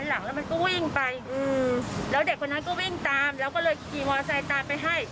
แล้วเด็กคนนั้นก็วิ่งตามเราก็เลยกี่มอเตอร์ไซต์ตามไปให้